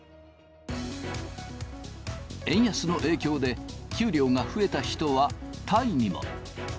円安の影響で、給料が増えた人は、タイにも。